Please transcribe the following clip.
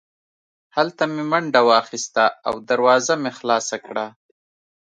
هلته مې منډه واخیسته او دروازه مې خلاصه کړه